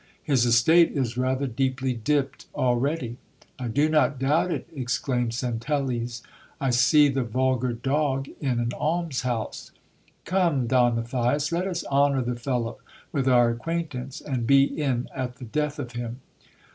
His estate is rather deeply dipped already. I do not doubt it, exclaimed Centelles ; I see the vul gar dog in an almshouse. Come, Don Matthias : let us honour the fellow with our acquaintance, and be in at the death of him.